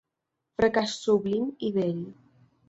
Fracàs sublim i bell.